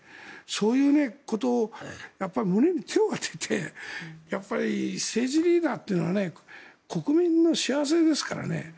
そういうことを胸に手を当てて政治リーダーというのは国民の幸せですからね。